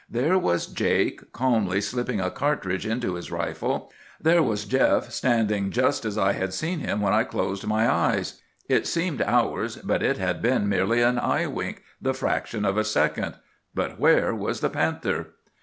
There was Jake calmly slipping a cartridge into his rifle. There was Jeff standing just as I had seen him when I closed my eyes. It seemed hours, but it had been merely an eyewink—the fraction of a second. But where was the panther?